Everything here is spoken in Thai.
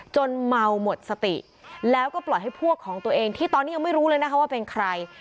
เมาหมดสติแล้วก็ปล่อยให้พวกของตัวเองที่ตอนนี้ยังไม่รู้เลยนะคะว่าเป็นใคร